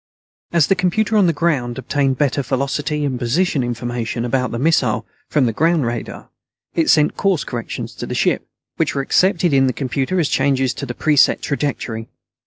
As the computer on the ground obtained better velocity and position information about the missile from the ground radar, it sent course corrections to the ship, which were accepted in the computer as changes to the pre set trajectory.